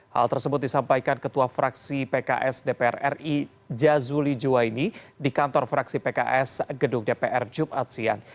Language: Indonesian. hal tersebut disampaikan ketua fraksi pks dpr ri jazuli juwaini di kantor fraksi pks gedung dpr jumat siang